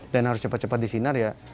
dan harus cepat cepat disinar ya